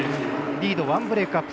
リード、１ブレークアップ。